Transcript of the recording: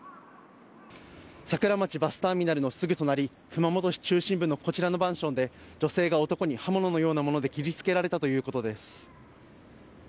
桜町バスターミナルのすぐ隣熊本市中心部のこちらのマンションで女性が男に刃物のようなもので切り付けられたということです。